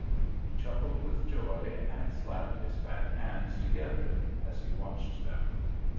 He chuckled with joy, and slapped his fat hands together as he watched them.